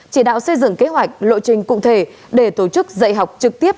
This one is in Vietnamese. chỉ đạo xây dựng kế hoạch lộ trình cụ thể để tổ chức dạy học trực tiếp